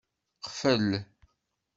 Qfel.